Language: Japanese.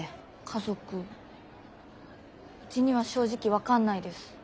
家族うちには正直分かんないです。